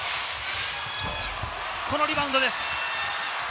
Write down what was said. このリバウンドです。